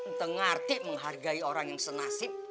nteng ngarti menghargai orang yang senasib